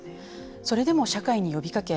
それでも社会に呼びかけ